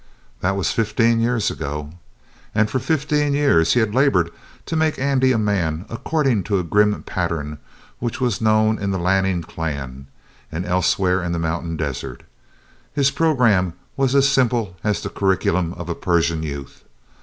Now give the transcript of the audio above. That was fifteen years ago. And for fifteen years he had labored to make Andy a man according to a grim pattern which was known in the Lanning clan, and elsewhere in the mountain desert. His program was as simple as the curriculum of a Persian youth.